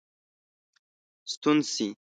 ستون سي.